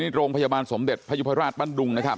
นี่โรงพยาบาลสมเด็จพยุโภยราชบรรดุงครับ